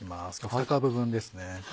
２株分ですね。